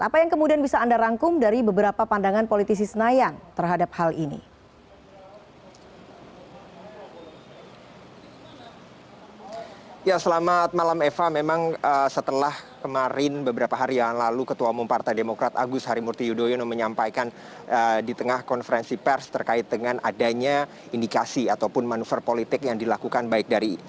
apa yang kemudian bisa anda rangkum dari beberapa pandangan politisi senayan terhadap hal ini